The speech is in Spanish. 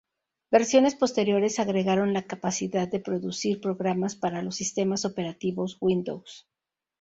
Versiones posteriores agregaron la capacidad de producir programas para los sistemas operativos Windows.